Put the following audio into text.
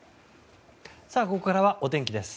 ここからはお天気です。